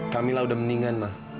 kak mila udah mendingan mak